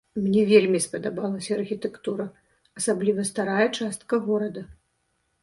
Мне вельмі спадабалася архітэктура, асабліва старая частка горада.